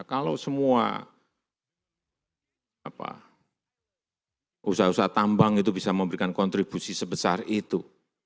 kalau semua usaha usaha tambang itu bisa memberikan kontribusi sebesar itu